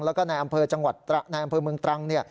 แล้วก็ในอำเภอเมืองตรัง